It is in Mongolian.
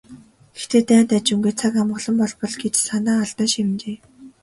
"Гэхдээ дайн дажингүй, цаг амгалан болбол" гэж санаа алдан шивнэжээ.